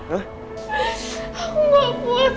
aku gak puas